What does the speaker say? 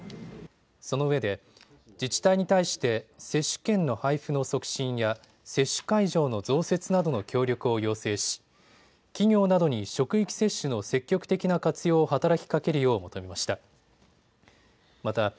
そのうえで自治体に対して接種券の配布の促進や接種会場の増設などの協力を要請し企業などに職域接種の積極的な活用を働きかけるよう求めました。